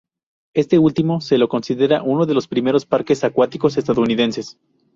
Este último se lo considera uno de los primeros parques acuáticos estadounidenses.